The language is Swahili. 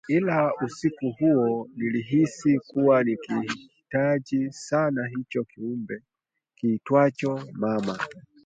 Ila usiku huo nilihisi kuwa nilikihitaji sana hicho kiumbe kiitwacho mama